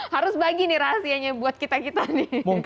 harus bagi nih rahasianya buat kita kita nih